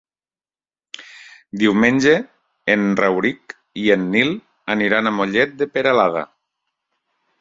Diumenge en Rauric i en Nil aniran a Mollet de Peralada.